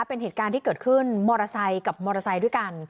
เป็นเหตุการณ์ที่เกิดขึ้นมอเตอร์ไซค์กับมอเตอร์ไซค์ด้วยกัน